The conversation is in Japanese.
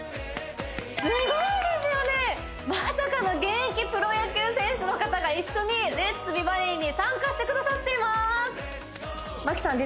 すごいですよねまさかの現役プロ野球選手の方が一緒に「レッツ！美バディ」に参加してくださっています牧さん